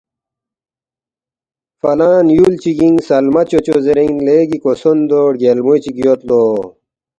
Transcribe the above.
فلان یُول چِگِنگ سلمہ چوچو زیرین لیگی کوسوندو رگیالموے چِک یود لو